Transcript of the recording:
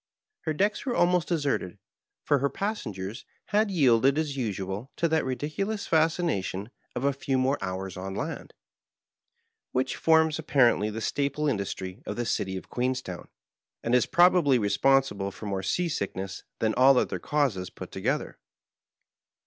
Her decks were almost deserted, for her passengers had yielded as usual to that ridiculous fascination of a few more hours on land, which forms apparently the staple industry of the city of Queenstown, and is probably re sponsible for more sea sickness than all other causes put together.